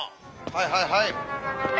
はいはいはい。